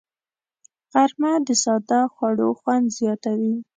غرمه د ساده خوړو خوند زیاتوي